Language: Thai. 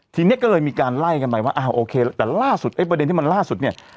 ทีนี้ก็เลยมีการไล่กันไปว่าอ่าโอเคแต่ล่าสุดไอ้ประเด็นที่มันล่าสุดเนี่ย